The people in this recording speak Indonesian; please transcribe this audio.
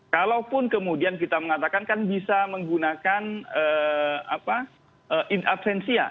kalaupun kemudian kita mengatakan kan bisa menggunakan in advansia